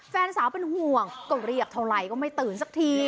แฟนสาวเป็นห่วงก็เรียบเท่าไหร่ก็ไม่ตื่นสักที